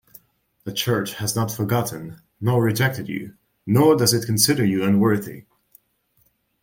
The Church has not forgotten nor rejected you, nor does it consider you unworthy.